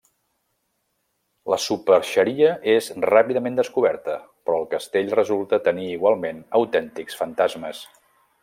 La superxeria és ràpidament descoberta, però el castell resulta tenir igualment autèntics fantasmes.